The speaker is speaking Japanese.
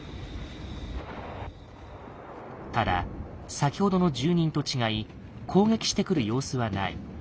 ただ先ほどの住人と違い攻撃してくる様子はない。